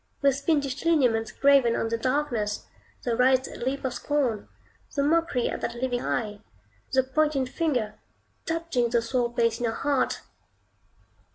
those fiendish lineaments graven on the darkness, the writhed lip of scorn, the mockery of that living eye, the pointed finger, touching the sore place in your heart!